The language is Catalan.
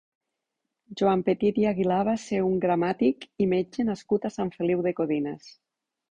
Joan Petit i Aguilar va ser un gramàtic i metge nascut a Sant Feliu de Codines.